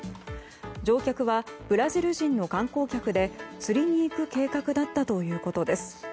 乗客はブラジル人の観光客で釣りに行く計画だったということです。